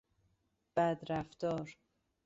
بدرفتار